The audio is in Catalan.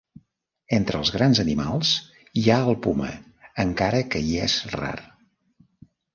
Entre els grans animals hi ha el puma encara que hi és rar.